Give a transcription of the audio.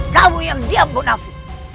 kamu yang diam munafi